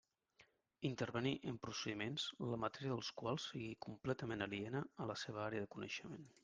Intervenir en procediments la matèria dels quals sigui completament aliena a la seva àrea de coneixement.